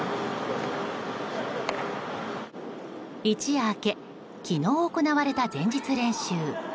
一夜明け昨日行われた前日練習。